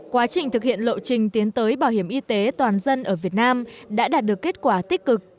quá trình thực hiện lộ trình tiến tới bảo hiểm y tế toàn dân ở việt nam đã đạt được kết quả tích cực